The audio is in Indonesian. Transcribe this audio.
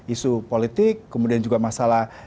isu politik kemudian juga masalah